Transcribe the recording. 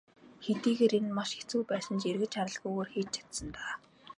Хэдийгээр энэ нь маш хэцүү байсан ч эргэж харалгүйгээр хийж чадсан даа.